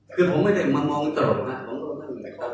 คือผมไม่ได้มามองตลอดนะฮะ